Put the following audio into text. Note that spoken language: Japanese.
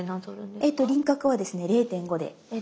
えっと輪郭はですね０．５で。